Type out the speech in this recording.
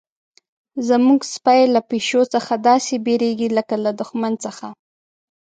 زموږ سپی له پیشو څخه داسې بیریږي لکه له دښمن څخه.